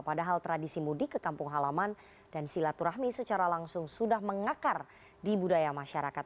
padahal tradisi mudik ke kampung halaman dan silaturahmi secara langsung sudah mengakar di budaya masyarakat